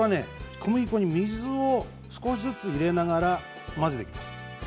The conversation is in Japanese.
小麦粉に水を少しずつ入れながら混ぜる